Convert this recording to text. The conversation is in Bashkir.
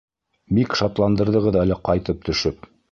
Бик шатландырҙығыҙ әле ҡайтып төшөп.